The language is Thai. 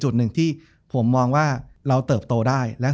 จบการโรงแรมจบการโรงแรม